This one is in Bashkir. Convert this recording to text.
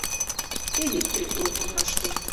Электрик булып урынлашты.